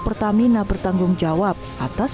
pertamina bertanggung jawab atas